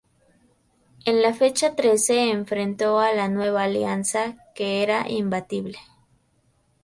En la fecha trece enfrento a "La Nueva Alianza" que era imbatible.